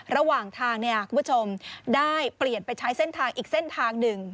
ระหว่างทางคุณผู้ชมได้เปลี่ยนไปใช้เส้นทางอีกเส้นทางหนึ่ง